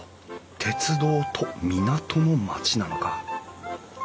鉄道と港の町なのか。